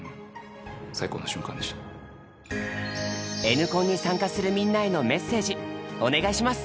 「Ｎコン」に参加するみんなへのメッセージお願いします！